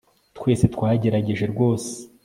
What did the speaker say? twese twagerageje rwose